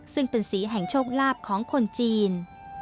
ซึ่งเป็นสีแห่งโชคลาภของคนจีน